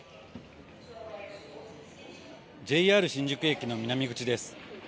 ＪＲ新宿駅の南口です。